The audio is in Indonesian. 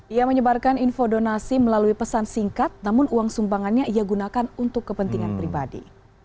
ia menyebarkan info donasi melalui pesan singkat namun uang sumbangannya ia gunakan untuk kepentingan pribadi